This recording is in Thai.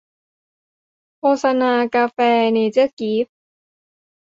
โฆษณากาแฟ เนเจอร์กิ๊ฟ